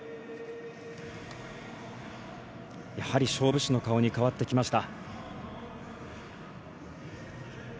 やはり勝負師の顔に変わってきました。